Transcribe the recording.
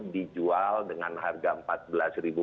dijual dengan harga rp empat belas